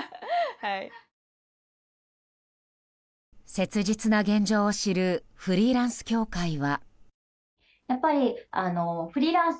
切実な現状を知るフリーランス協会は。